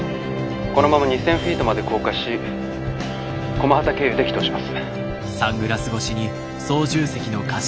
このまま２，０００フィートまで降下し駒畠経由で帰投します。